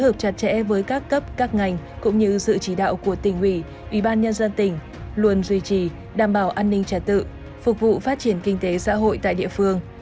ủy ban nhân dân tỉnh luôn duy trì đảm bảo an ninh trả tự phục vụ phát triển kinh tế xã hội tại địa phương